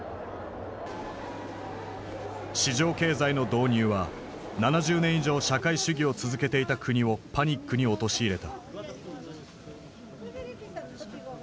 市場経済の導入は７０年以上社会主義を続けていた国をパニックに陥れた。